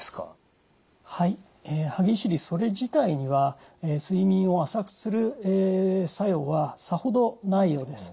歯ぎしりそれ自体には睡眠を浅くする作用はさほどないようです。